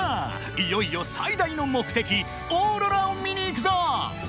いよいよ最大の目的オーロラを見に行くぞ］